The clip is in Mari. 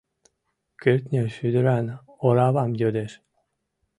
Кӱртньӧ шӱдыран оравам йодеш.